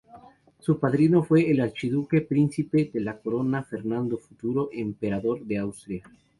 Su padrino fue el archiduque príncipe de la corona, Fernando, futuro emperador de Austria.